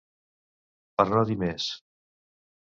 Per no dir més.